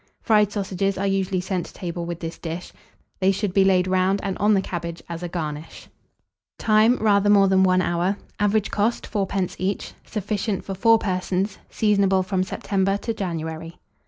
Fried sausages are usually sent to table with this dish: they should be laid round and on the cabbage, as a garnish. Time. Rather more than 1 hour. Average cost, 4d. each. Sufficient for 4 persons. Seasonable from September to January.